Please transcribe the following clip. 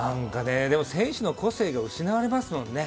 でも選手の個性が失われますよね。